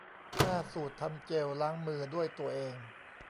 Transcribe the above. ห้า สูตรทำเจลล้างมือด้วยตัวเอง